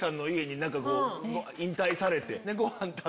引退されて。